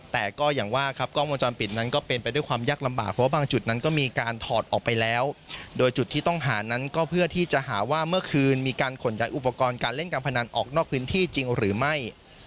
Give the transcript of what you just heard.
แต่ก็อย่างว่าครับกล้องวงจรปิดนั้นก็เป็นไปด้วยความยากลำบากเพราะว่าบางจุดนั้นก็มีการถอดออกไปแล้วโดยจุดที่ต้องหานั้นก็เพื่อที่จะหาว่าเมื่อคืนมีการขนย้ายอุปกรณ์การเล่นการพนันออกนอกพื้นที่จริงหรือไม่